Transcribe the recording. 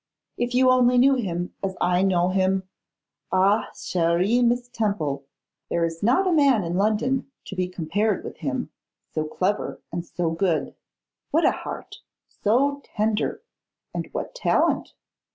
If you only knew him as I know him. Ah! chère Miss Temple, there is not a man in London to be compared with him, so clever and so good! What a heart! so tender! and what talent!